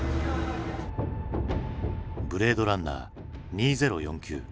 「ブレードランナー２０４９」。